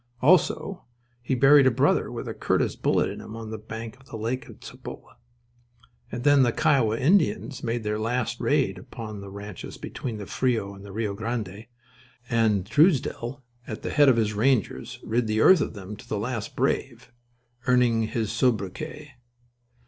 Also he buried a brother with a Curtis bullet in him on the bank of the lake at Cibolo. And then the Kiowa Indians made their last raid upon the ranches between the Frio and the Rio Grande, and Truesdell at the head of his rangers rid the earth of them to the last brave, earning his sobriquet.